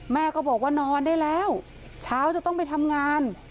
แม่ก็บอกว่านอนได้แล้วเช้าจะต้องไปทำงาน